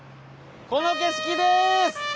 この景色です！